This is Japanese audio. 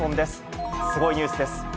すごいニュースです。